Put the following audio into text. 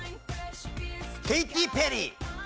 ケイティ・ペリー。